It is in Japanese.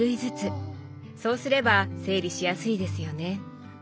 そうすれば整理しやすいですよね。